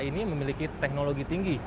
ini memiliki teknologi tinggi